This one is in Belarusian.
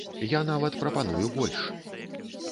Я нават прапаную больш.